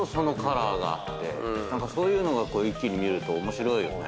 そういうのが一気に見ると面白いよね。